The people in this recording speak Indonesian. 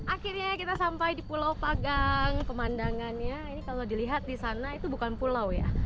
akhirnya kita sampai di pulau pagang pemandangannya ini kalau dilihat di sana itu bukan pulau ya